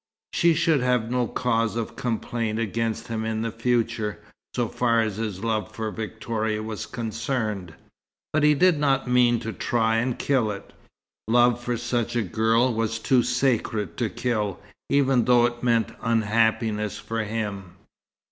She should have no cause of complaint against him in the future, so far as his love for Victoria was concerned; but he did not mean to try and kill it. Love for such a girl was too sacred to kill, even though it meant unhappiness for him.